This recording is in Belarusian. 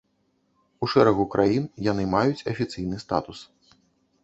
У шэрагу краін яны маюць афіцыйны статус.